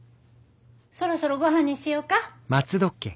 そろそろごはんにしよか。